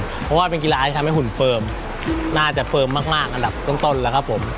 เพราะว่าเป็นกีฬาให้ทำให้หุ่นน่าจะเฟิร์มมากมากอันดับต้นต้นล่ะครับผม